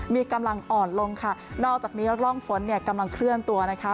มีกำลังอ่อนลงค่ะนอกจากนี้ร่องฝนเนี่ยกำลังเคลื่อนตัวนะคะ